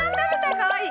かわいい。